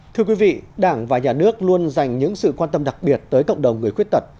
thưa quý vị đảng và nhà nước luôn dành những sự quan tâm đặc biệt tới cộng đồng người khuyết tật